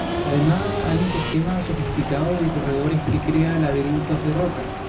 Además, hay un sistema sofisticado de corredores que crea laberintos de roca.